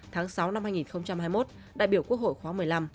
tháng sáu năm hai nghìn hai mươi một đại biểu quốc hội khóa một mươi năm